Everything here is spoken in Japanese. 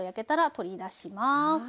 取り出します。